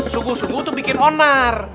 sungguh sungguh untuk bikin onar